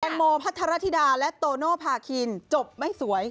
โมพัทรธิดาและโตโนภาคินจบไม่สวย